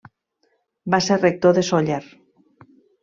Va ser rector de Sóller.